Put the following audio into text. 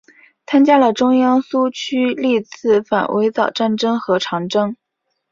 参加了中央苏区历次反围剿战争和长征。